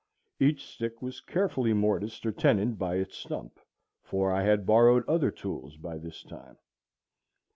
Each stick was carefully mortised or tenoned by its stump, for I had borrowed other tools by this time.